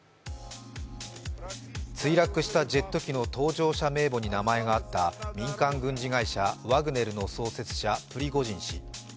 墜落したジェット機の搭乗者名簿に名前があった民間軍事会社ワグネルの創設者プリゴジン氏。